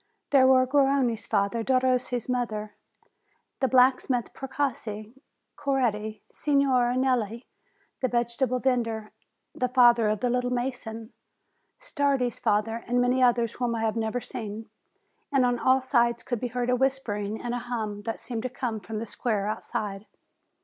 There were Garrone's father, Derossi's mother, the blacksmith Precossi, Coretti, Signora Nelli, the vege table vendor, the father of the "little mason," Stardi's father, and many others whom I had never seen ; and on all sides could be heard a whispering and a hum, that seemed to come from the square outside.